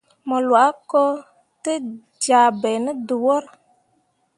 Mo lwa ko te ja bai ne dəwor.